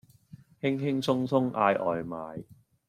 輕輕鬆鬆嗌外賣